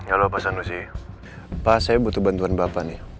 halo pak sanusi pak saya butuh bantuan bapak nih